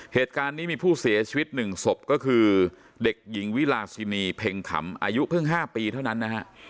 เหตุการณ์นี้มีผู้เสียชีวิต๑ศพก็คือเด็กหญิงวิลาซินีเพ็งขำอายุเพิ่ง๕ปีเท่านั้นนะฮะ